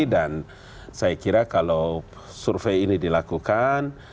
dan saya kira kalau survei ini dilakukan